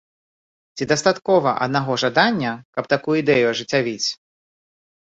Ці дастаткова аднаго жадання, каб такую ідэю ажыццявіць?